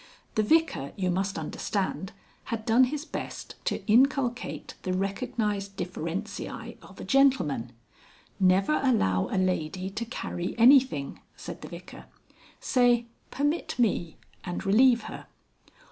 The Vicar, you must understand, had done his best to inculcate the recognised differentiae of a gentleman. "Never allow a lady to carry anything," said the Vicar. "Say, 'permit me' and relieve her."